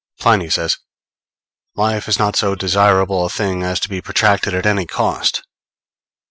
Pliny says: _Life is not so desirable a thing as to be protracted at any cost.